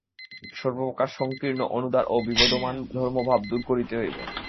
সর্বপ্রকার সঙ্কীর্ণ, অনুদার ও বিবদমান ধর্মভাব দূর করিতে হইবে।